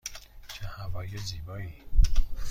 چه هوای زیبایی!